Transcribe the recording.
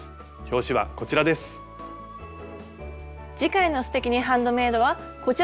表紙はこちらです。